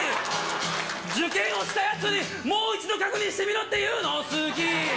受験落ちたやつにもう一度確認してみろって言うの、好き。